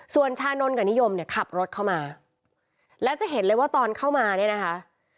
ส่วนชานนท์กับนิยมเนี่ยขับรถเข้ามาแล้วจะเห็นเลยว่าตอนเข้ามาเนี่ยนะคะ